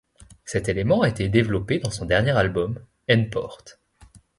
Cet élément a été développé dans son dernier album, N-Port.